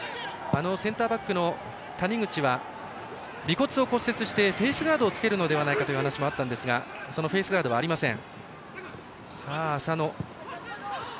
センターバックの谷口は鼻骨を骨折してフェースガードをつけるのではないかという話もあったんですがそのフェースガードはありません。